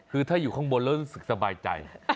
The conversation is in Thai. คือถ้าอยู่ข้างบนแล้วรู้สึกสบายใจ